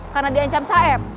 karena diancam saeb